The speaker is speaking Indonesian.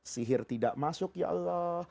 sihir tidak masuk ya allah